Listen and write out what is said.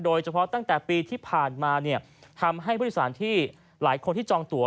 ตั้งแต่ปีที่ผ่านมาเนี่ยทำให้ผู้โดยสารที่หลายคนที่จองตัว